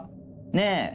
ねえ！